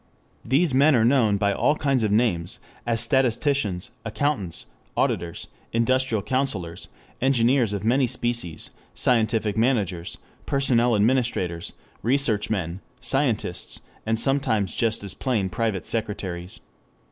These men are known by all kinds of names, as statisticians, accountants, auditors, industrial counsellors, engineers of many species, scientific managers, personnel administrators, research men, "scientists," and sometimes just as plain private secretaries.